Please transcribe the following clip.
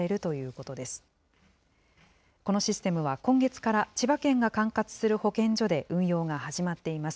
このシステムは、今月から、千葉県が管轄する保健所で運用が始まっています。